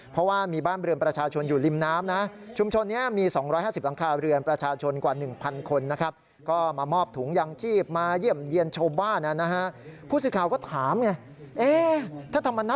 เพราะว่ามีบ้านเรือนประชาชนอยู่ริมน้ำนะ